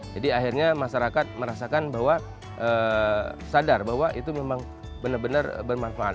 jadi akhirnya masyarakat merasakan bahwa sadar bahwa itu memang benar benar bermanfaat